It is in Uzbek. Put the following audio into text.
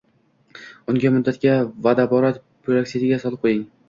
Unga muddatga vodorod peroksidiga solib qo'ying